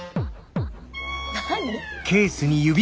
何？